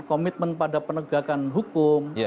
komitmen pada penegakan hukum